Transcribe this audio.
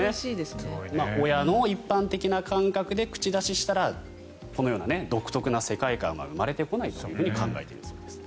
親の一般的な感覚で口出ししたらこのような独特な世界観は生まれてこないと考えているそうです。